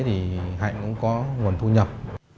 thì hạnh cũng có nguồn thu nhập